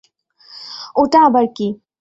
ওটা আবার কি?